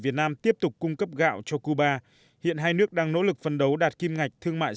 việt nam tiếp tục cung cấp gạo cho cuba hiện hai nước đang nỗ lực phân đấu đạt kim ngạch thương mại